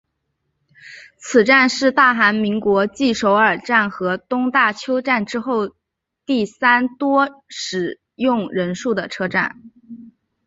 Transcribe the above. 此站是大韩民国继首尔站和东大邱站之后第三多使用人数的车站。